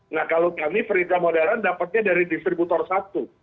nah kalau kami perintah modern dapatnya dari distributor satu